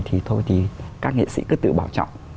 thì thôi thì các nghệ sĩ cứ tự bảo trọng